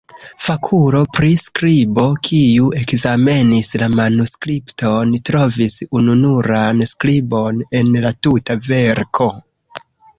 Fakulo pri skribo, kiu ekzamenis la manuskripton, trovis ununuran skribon en la tuta verko.